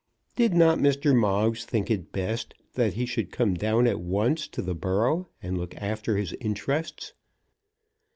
Did not Mr. Moggs think it best that he should come down at once to the borough and look after his interests?